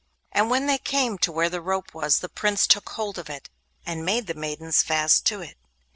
And when they came to where the rope was, the Prince took hold of it and made the maidens fast to it.